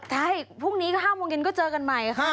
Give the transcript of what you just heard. ใช่พรุ่งนี้ก็๕โมงเย็นก็เจอกันใหม่ค่ะ